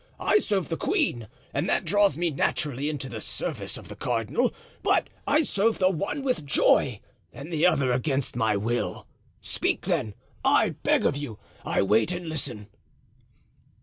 I serve the queen and that draws me naturally into the service of the cardinal; but I serve the one with joy and the other against my will. Speak, then, I beg of you; I wait and listen."